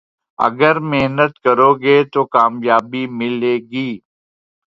اگر محنت کرو گے تو کامیابی ملے گی